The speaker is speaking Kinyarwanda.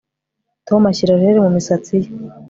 Tom ashyira gel mumisatsi ye